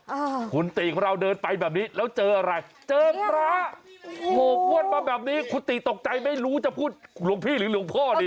อ่าคุณติของเราเดินไปแบบนี้แล้วเจออะไรเจอพระโอ้โหพวดมาแบบนี้คุณติตกใจไม่รู้จะพูดหลวงพี่หรือหลวงพ่อดี